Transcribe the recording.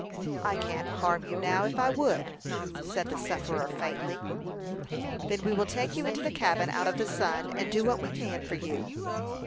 "I can't harm you now if I would," said the sufferer, faintly. "Then we will take you into the cabin out of the sun, and do what we can for you."